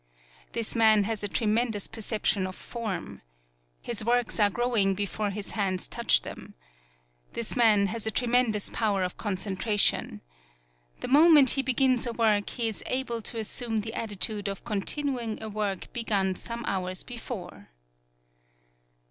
This man has a tre mendous perception of form. His works are growing before his hands 36 HANARO touch them. This man has a tre mendous power of concentration. The moment he begins a work he is able to assume the attitude of continu ing a work begun some hours be fore.